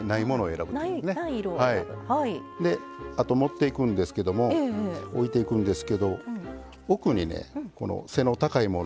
あと盛っていくんですけどもおいていくんですけど奥にねこの背の高いものを。